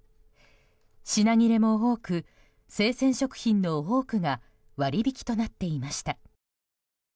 品切れも多く、生鮮食品の多くが割引となっていました。